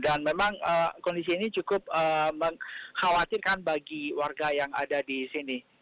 dan memang kondisi ini cukup mengkhawatirkan bagi warga yang ada di sini